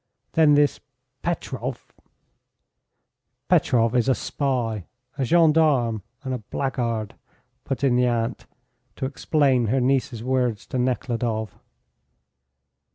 "Then this Petrov " "Petrov is a spy, a gendarme, and a blackguard," put in the aunt, to explain her niece's words to Nekhludoff.